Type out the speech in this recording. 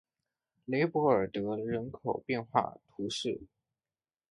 雷博尔德人口变化图示